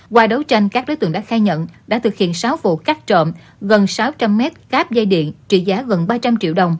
qua đấu tranh các đối tượng đã khai nhận đã thực hiện sáu vụ cắt trộm gần sáu trăm linh mét cáp dây điện trị giá gần ba trăm linh triệu đồng